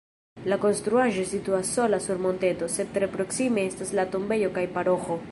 La konstruaĵo situas sola sur monteto, sed tre proksime estas la tombejo kaj paroĥo.